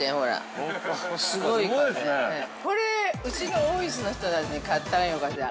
これ、うちのオフィスの人たちに買ってあげようかしら。